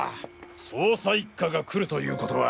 捜査一課が来るということは。